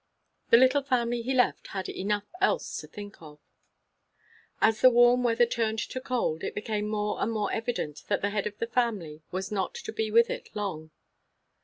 The little family he left had enough else to think of. As the warm weather turned to cold, it became more and more evident that the head of the family was not to be with it long.